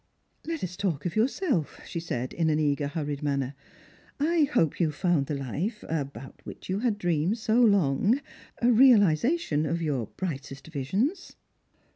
"Let us talk of yourself," she said, in an eager hurried manner. "I hope you found the life — about which you had dreamed so long — a realisation of your brightest visions